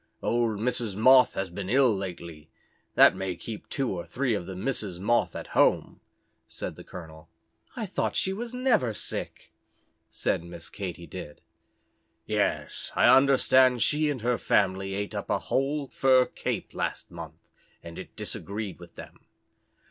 "Old Mrs. Moth has been ill lately. That may keep two or three of the Misses Moth at home," said the colonel. "I thought she was never sick," said Miss Katy Did. "Yes, I understand she and her family ate up a whole fur cape last month, and it disagreed with them."